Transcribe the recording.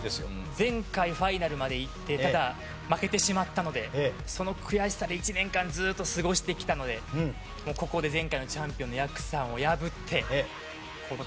前回ファイナルまでいってただ負けてしまったのでその悔しさで１年間ずっと過ごしてきたのでもうここで前回のチャンピオンのやくさんを破って。